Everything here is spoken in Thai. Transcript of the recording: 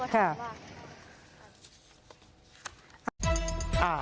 ขอบคุณครับ